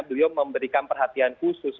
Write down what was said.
beliau memberikan perhatian khusus